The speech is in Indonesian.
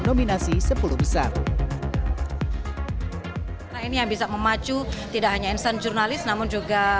nominasi sepuluh besar dalam beralmond bisa memacu tidak hanya important jurnalis namun juga